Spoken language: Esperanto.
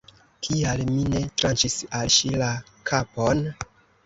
Kial mi ne tranĉis al ŝi la kapon?